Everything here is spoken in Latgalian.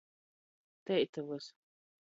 Teitovys.